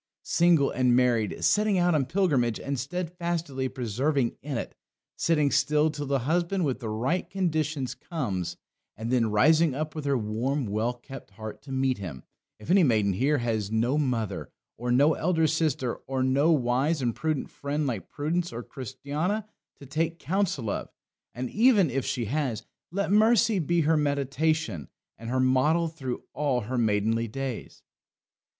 Single and married; setting out on pilgrimage and steadfastly persevering in it; sitting still till the husband with the right conditions comes, and then rising up with her warm, well kept heart to meet him if any maiden here has no mother, or no elder sister, or no wise and prudent friend like Prudence or Christiana to take counsel of and even if she has let Mercy be her meditation and her model through all her maidenly days.